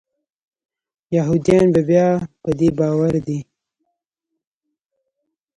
یهودیان بیا په دې باور دي.